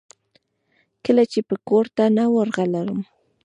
کله چې به کورته نه ورغلم.